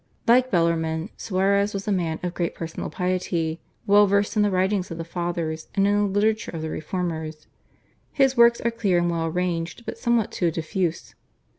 Like Bellarmine Suarez was a man of great personal piety, well versed in the writings of the Fathers and in the literature of the Reformers. His works are clear and well arranged but somewhat too diffuse.